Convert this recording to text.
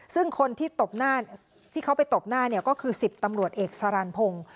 ซึ่งคนที่ตบหน้าที่เขาไปตบหน้าเนี่ยก็คือ๑๐ตำรวจเอกสารันพงศ์